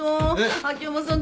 秋山さん